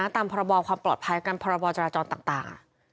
แล้วก็ตามพบความปลอดภัยกับพบจราจรต่าง